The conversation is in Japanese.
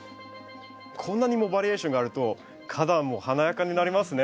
こんなにもバリエーションがあると花壇も華やかになりますね。